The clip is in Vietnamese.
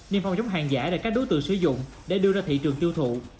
niêm phong chống hàng giả để các đối tượng sử dụng để đưa ra thị trường tiêu thụ